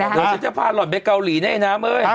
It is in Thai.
เดี๋ยวฉันจะพาหล่อนไปเกาหลีแน่นะเฮ้ย